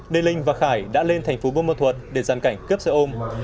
nên linh và khải đã lên thành phố bôn mô thuật để dặn cảnh cướp xe ôm